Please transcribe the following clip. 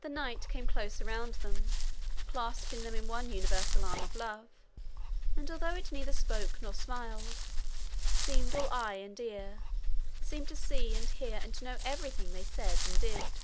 The night came close around them, clasping them in one universal arm of love, and although it neither spoke nor smiled, seemed all eye and ear, seemed to see and hear and know everything they said and did.